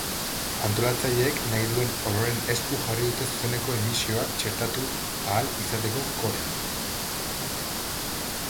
Antolatzaileek nahi duen ororen esku jarri dute zuzeneko emisioa txertatu ahal izateko kodea.